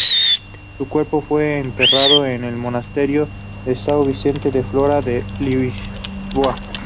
Su cuerpo fue enterrado en el Monasterio de São Vicente de Fora en Lisboa.